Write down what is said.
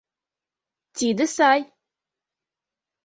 — Тиде сай!